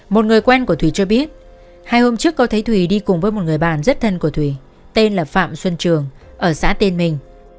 một người quen của thủy cho biết hai hôm trước có thấy thùy đi cùng với một người bạn rất thân của thủy tên là phạm xuân trường ở xã tên mình